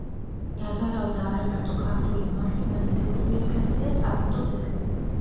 დაზარალდა არა მარტო ქართული მართლმადიდებლური ეკლესია, საკულტო ძეგლები.